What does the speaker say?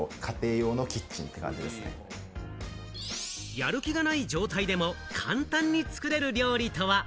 やる気がない状態でも簡単に作れる料理とは？